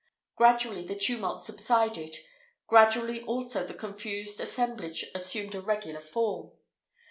Gradually the tumult subsided; gradually also the confused assemblage assumed a regular form.